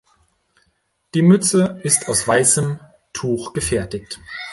Die Mütze ist aus weißem Tuch gefertigt.